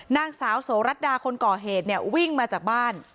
นางสาวโสรัตดาคนก่อเหตุเนี่ยวิ่งมาจากบ้าน